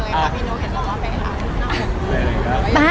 เห็นละรอแม่ละ